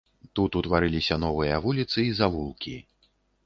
Тут утварыліся новыя вуліцы і завулкі.